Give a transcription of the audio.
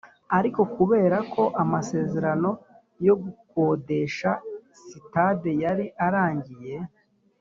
ariko kubera ko amasezerano yo gukodesha sitade yari arangiye